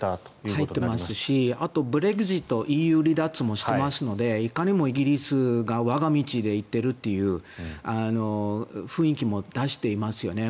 入っていますしあと、ブレグジットＥＵ離脱もしていますのでいかにもイギリスが我が道を行っているという雰囲気も出していますよね。